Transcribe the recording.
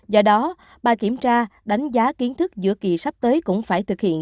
do đó ba kiểm tra đánh giá kiến thức giữa kỳ sắp tới cũng phải thực hiện